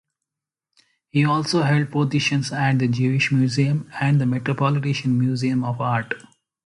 He also held positions at the Jewish Museum and the Metropolitan Museum of Art.